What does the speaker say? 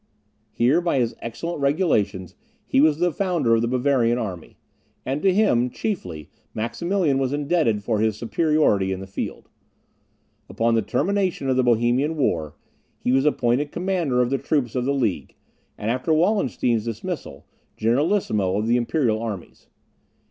Here, by his excellent regulations, he was the founder of the Bavarian army; and to him, chiefly, Maximilian was indebted for his superiority in the field. Upon the termination of the Bohemian war, he was appointed commander of the troops of the League; and, after Wallenstein's dismissal, generalissimo of the imperial armies.